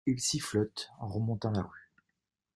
Il sifflote en remontant la rue.